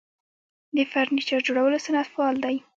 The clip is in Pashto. د فرنیچر جوړولو صنعت فعال دی